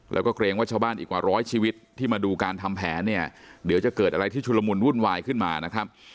แล้วก็เกรงว่าชาวบ้านอีกกว่าร้อยชีวิตที่มาดูการทำแผนเนี่ยเดี๋ยวจะเกิดอะไรที่ชุลมุนวุ่นวายขึ้นมานะครับ